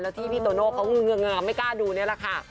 ที่พี่โตโน่เขาเงืองามไม่กล้าดูนี่แหละค่ะ